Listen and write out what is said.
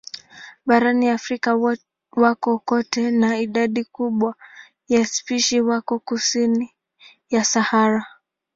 Barani Afrika wako kote na idadi kubwa ya spishi wako kusini ya Sahara.